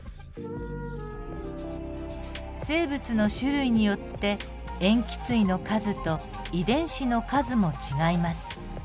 生物の種類によって塩基対の数と遺伝子の数も違います。